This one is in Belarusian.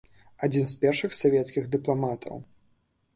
Адзін з першых савецкіх дыпламатаў.